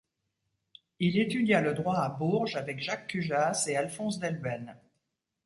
Il étudia le droit à Bourges avec Jacques Cujas et Alphonse Delbene.